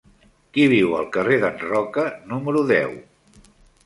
Qui viu al carrer d'en Roca número deu?